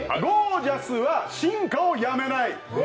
ジャスは進化をやめない。